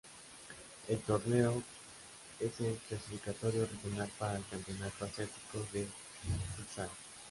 El torneo es el clasificatorio regional para el Campeonato Asiático de Futsal.